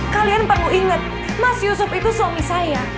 kalian perlu ingat mas yusuf itu suami saya